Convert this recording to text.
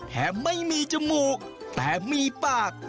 ไม่มีจมูกแต่มีปาก